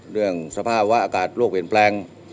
เรื่องสภาวะอากาศโรคเปลี่ยนแปลง